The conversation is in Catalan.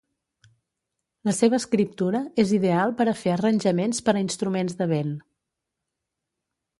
La seva escriptura és ideal per a fer arranjaments per a instruments de vent.